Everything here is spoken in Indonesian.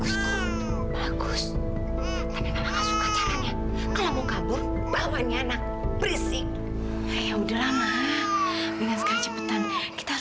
sampai jumpa di video selanjutnya